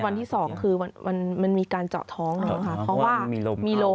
วันที่สองคือมันมีการเจาะท้องนะคะ